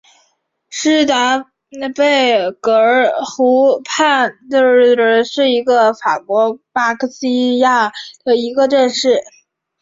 施坦贝格湖畔贝恩里特是德国巴伐利亚州的一个市镇。